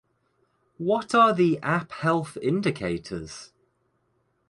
What are the app health indicators?